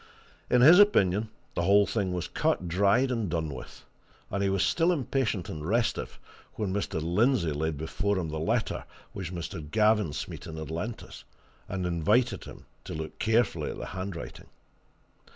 In his opinion, the whole thing was cut, dried, and done with, and he was still impatient and restive when Mr. Lindsey laid before him the letter which Mr. Gavin Smeaton had lent us, and invited him to look carefully at the handwriting.